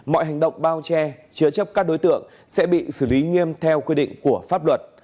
mọi hành động bao che chứa chấp các đối tượng sẽ bị xử lý nghiêm theo quy định của pháp luật